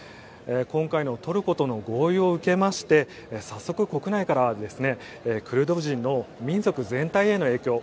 今回のトルコとの合意を受けまして早速、国内からはクルド人の民族全体への影響